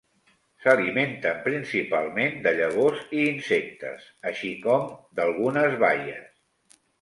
S'alimenten principalment de llavors i insectes, així com d'algunes baies.